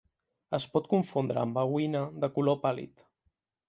Es pot confondre amb haüyna de color pàl·lid.